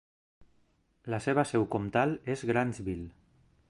La seva seu comtal és Grantsville.